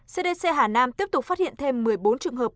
cdc hà nam tiếp tục phát hiện thêm một mươi bốn trường hợp